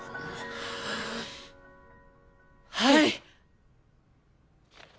はい！